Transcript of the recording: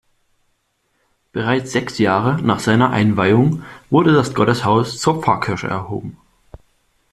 Bereits sechs Jahre nach seiner Einweihung wurde das Gotteshaus zur Pfarrkirche erhoben.